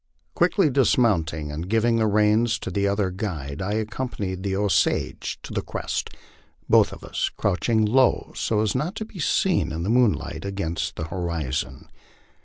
Quickly dismounting and giving the reins to the other guide, I accompanied the Osage to the crest, both of us crouching low so as not to be seen in the moonlight against the horizon.